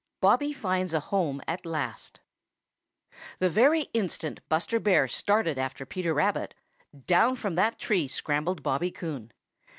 BOBBY FINDS A HOME AT LAST |THE very instant Buster Bear started after Peter Rabbit, down from that tree scrambled Bobby Coon.